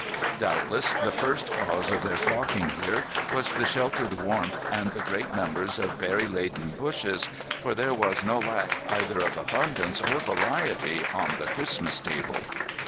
Doubtless the first cause of their flocking here was the sheltered warmth and the great numbers of berry laden bushes, for there was no lack either of abundance or variety on the Christmas table.